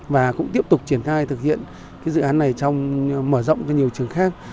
và cũng tiếp tục triển khai thực hiện cái dự án này trong mở rộng cho nhiều trường khác